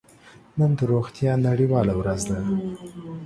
نن د روغتیا نړیواله ورځ ده.